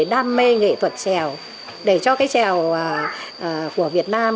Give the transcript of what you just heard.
cái trèo của việt nam